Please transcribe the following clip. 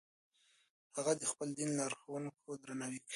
هغه د خپل دین لارښوونکو درناوی کوي.